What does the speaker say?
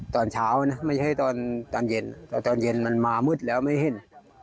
ตอนเช้านะไม่ใช่ตอนตอนเย็นแต่ตอนเย็นมันมามืดแล้วไม่เห็น